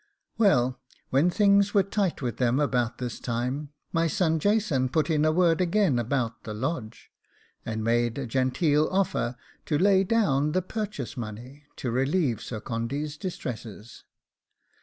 Well, when things were tight with them about this time, my son Jason put in a word again about the Lodge, and made a genteel offer to lay down the purchase money, to relieve Sir Condy's distresses.